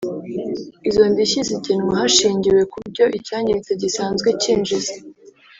izo ndishyi zigenwa hashingiwe kucyo icyangiritse gisanzwe cyinjiza